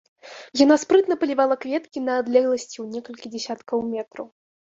Яна спрытна палівае кветкі на адлегласці ў некалькі дзесяткаў метраў.